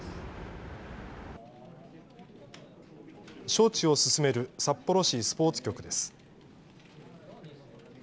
招致を進める札幌市スポーツ局です。